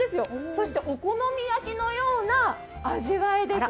そしてお好み焼きのような味わいです。